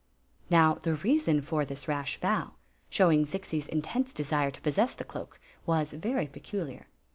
Now the reason for this rash vow, showing Zixi's intense desire to possess ^e cloak, was very peculiar.